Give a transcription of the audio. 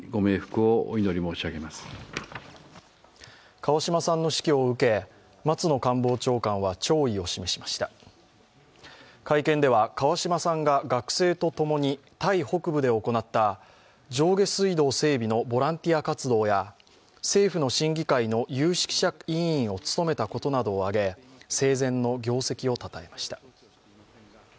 川嶋さんの死去を受け松野官房長官は弔意を示しました会見では、川嶋さんが学生と共にタイ北部で行った上下水道整備のボランティア活動や、政府の審議会の有識者委員を務めたことなどを挙げ生前の業績をたたえました。